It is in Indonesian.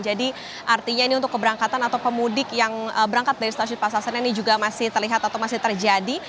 jadi artinya ini untuk keberangkatan atau pemudik yang berangkat dari stasiun pasar senen ini juga masih terlihat atau masih terjadi